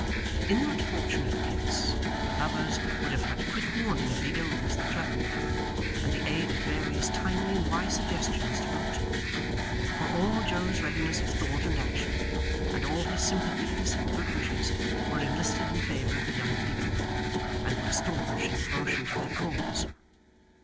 In that fortunate case, the lovers would have had quick warning of the ills that threatened them, and the aid of various timely and wise suggestions to boot; for all Joe's readiness of thought and action, and all his sympathies and good wishes, were enlisted in favour of the young people, and were staunch in devotion to their cause.